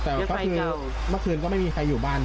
แต่ก็คือเมื่อคืนก็ไม่มีใครอยู่บ้าน